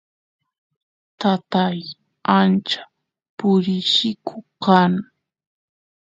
tatay ancha purilliku kan